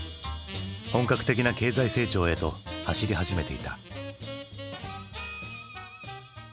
本格的な経済成長へと走り始めていた。